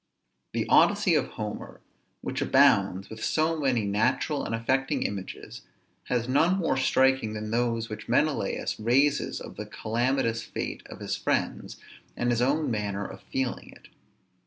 The Odyssey of Homer, which abounds with so many natural and affecting images, has none more striking than those which Menelaus raises of the calamitous fate of his friends, and his own manner of feeling it.